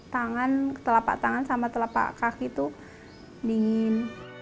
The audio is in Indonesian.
tangan telapak tangan sama telapak kaki itu dingin